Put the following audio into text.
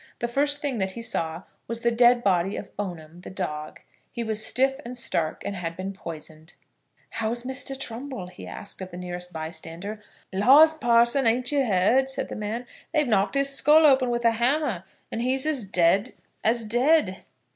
The first thing that he saw was the dead body of Bone'm, the dog. He was stiff and stark, and had been poisoned. "How's Mr. Trumbull?" he asked, of the nearest by stander. "Laws, parson, ain't ye heard?" said the man. "They've knocked his skull open with a hammer, and he's as dead as dead."